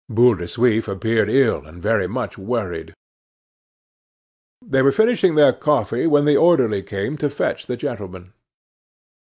Boule de Suif appeared ill and very much worried. They were finishing their coffee when the orderly came to fetch the gentlemen.